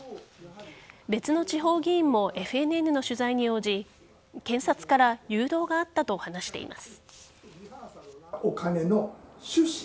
別の地方議員もＦＮＮの取材に応じ検察から誘導があったと話しています。